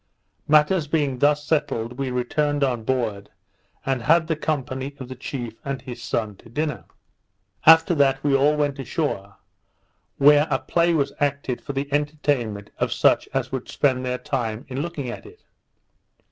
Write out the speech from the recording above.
Matters being thus settled, we returned on board, and had the company of the chief and his son to dinner. After that we all went ashore, where a play was acted for the entertainment of such as would spend their time in looking at it.